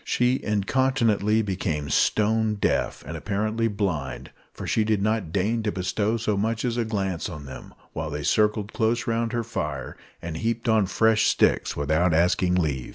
She incontinently became stone deaf; and apparently blind, for she did not deign to bestow so much as a glance on them, while they circled close round her fire, and heaped on fresh sticks without asking leave.